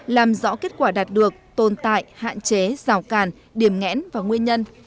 làm rõ kết quả đạt được tồn tại hạn chế rào càn điểm ngẽn và nguyên nhân